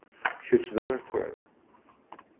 Kečč d amakar.